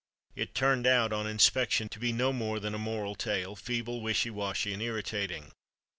It turned out, on inspection, to be no more than a moral tale, feeble, wishy washy and irritating.